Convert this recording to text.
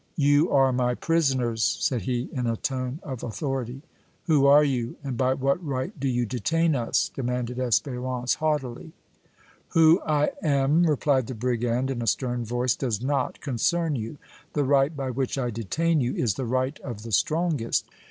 "You are my prisoners!" said he, in a tone of authority. "Who are you, and by what right do you detain us?" demanded Espérance, haughtily. "Who I am," replied the brigand, in a stern voice, "does not concern you. The right by which I detain you is the right of the strongest!"